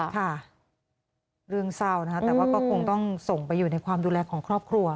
ค่ะเรื่องเศร้านะคะแต่ว่าก็คงต้องส่งไปอยู่ในความดูแลของครอบครัว